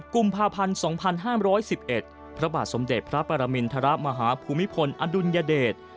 กุมภาพันธ์๒๕๑๑พระบาทสมเด็จพระปรมินทรมาฮภูมิพลอดุลยเดช